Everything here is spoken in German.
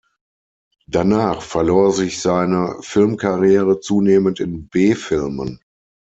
Danach verlor sich seine Filmkarriere zunehmend in B-Filmen.